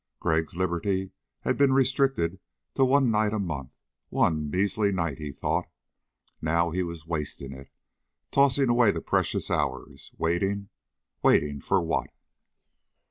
Greg's liberty had been restricted to one night a month. One measly night, he thought. Now he was wasting it, tossing away the precious hours. Waiting. Waiting for what?